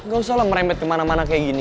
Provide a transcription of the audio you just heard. gak usah lah merembet kemana mana kayak gini